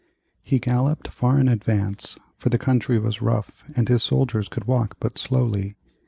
] He galloped far in advance, for the country was rough and his soldiers could walk but slowly.